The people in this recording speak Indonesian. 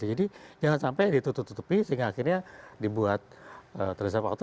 jadi jangan sampai ditutup tutupi sehingga akhirnya dibuat terdesak waktu